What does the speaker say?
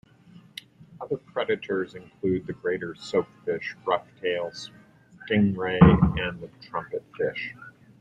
Other predators include the greater soapfish, roughtail stingray, and the trumpetfish.